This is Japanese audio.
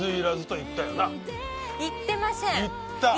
言ってません！